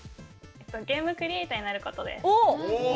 ゲームクリエーターになることです。